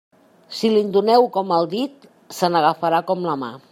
Si li'n doneu com el dit, se n'agafarà com la mà.